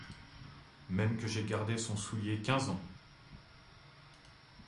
Même que j’ai gardé son soulier quinze ans.